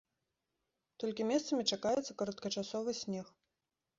Толькі месцамі чакаецца кароткачасовы снег.